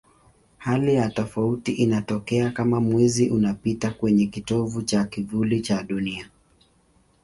Hali ya tofauti inatokea kama Mwezi unapita kwenye kitovu cha kivuli cha Dunia.